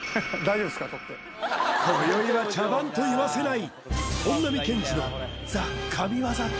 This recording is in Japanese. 獲って今宵は茶番と言わせない！